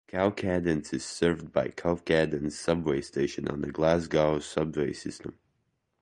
Cowcaddens is served by Cowcaddens subway station on the Glasgow Subway system.